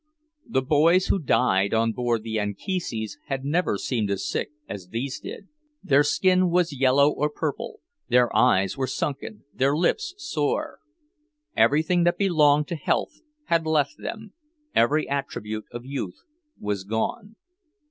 The boys who died on board the Anchises had never seemed as sick as these did. Their skin was yellow or purple, their eyes were sunken, their lips sore. Everything that belonged to health had left them, every attribute of youth was gone.